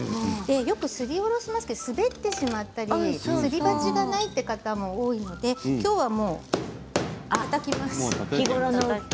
よくすりおろしますけど滑ってしまったりすり鉢がないという方も多いのできょうは、たたきます。